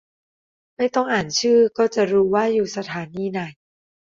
ไม่ต้องอ่านชื่อก็จะรู้ว่าอยู่สถานีไหน